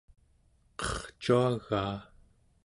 qercuagaa